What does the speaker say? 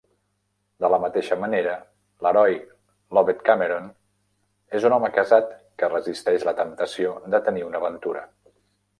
De la mateixa manera, l'heroi Lovett Cameron és un home casat que resisteix la temptació de tenir una aventura.